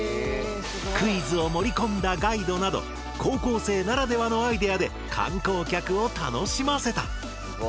クイズを盛り込んだガイドなど高校生ならではのアイデアで観光客を楽しませた。